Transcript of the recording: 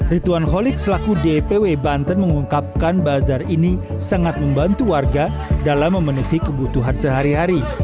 rituan holik selaku dpw banten mengungkapkan bazar ini sangat membantu warga dalam memenuhi kebutuhan sehari hari